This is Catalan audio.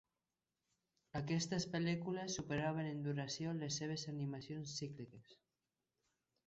Aquestes pel·lícules superaven en duració les seves animacions cícliques.